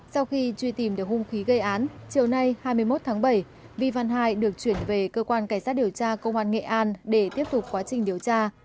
sau khi truy tìm được hung khí gây án chiều nay hai mươi một tháng bảy vi văn hải được chuyển về cơ quan cảnh sát điều tra công an nghệ an để tiếp tục quá trình điều tra